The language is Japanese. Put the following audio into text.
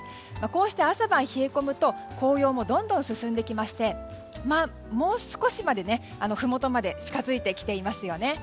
こうして、朝晩冷え込むと紅葉もどんどん進んできましてもう少しで、ふもとまで近づいてきていますね。